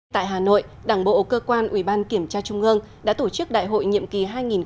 tại hà nội đảng bộ cơ quan ủy ban kiểm tra trung ương đã tổ chức đại hội nhiệm kỳ hai nghìn hai mươi hai nghìn hai mươi năm